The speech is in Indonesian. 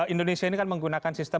indonesia ini kan menggunakan sistem